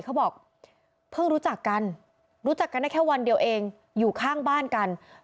เขาบอกเพิ่งรู้จักกันรู้จักกันได้แค่วันเดียวเองอยู่ข้างบ้านกัน